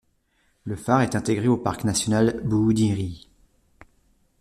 Le phare est intégré au Parc national Booderee.